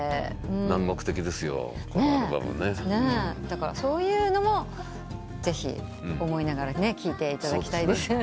だからそういうのもぜひ思いながら聴いていただきたい。